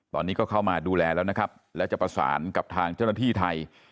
ตอนนี้ก็เข้ามาดูแลแล้วนะครับและจะประสานกับทางเจ้าหน้าที่ไทย